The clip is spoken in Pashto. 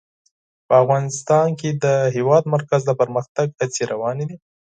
افغانستان کې د د هېواد مرکز د پرمختګ هڅې روانې دي.